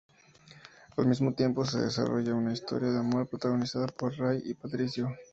Al mismo tiempo, se desarrolla una historia de amor protagonizada por Ray y Patricio.